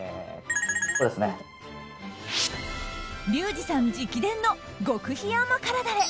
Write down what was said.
リュウジさん直伝の極秘甘辛ダレ。